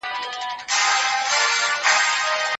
خیر محمد ته د خپلې لور انتظار ډېر ارزښت لري.